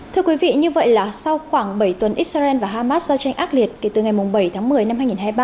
thưa quý vị như vậy là sau khoảng bảy tuần israel và hamas giao tranh ác liệt kể từ ngày bảy tháng một mươi năm hai nghìn hai mươi ba